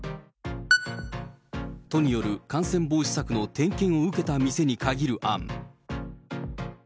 都による感染防止策の点検を受けた店に限る案。